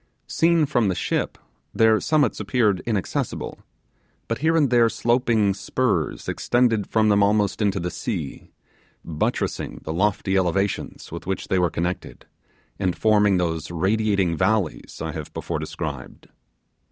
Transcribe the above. Seen from the ship, their summits appeared inaccessible, but here and there sloping spurs extended from them almost into the sea, buttressing the lofty elevations with which they were connected, and forming those radiating valleys I have before described.